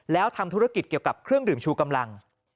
แล้วทำธุรกิจเกี่ยวกับเครื่องดื่มชูกำลัง